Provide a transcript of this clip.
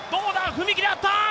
踏み切りは合った！